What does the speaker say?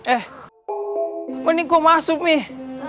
eh mending ku masuk nih